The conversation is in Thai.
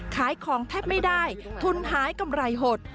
ขายของแทบไม่ได้ทุนหายกำไรหด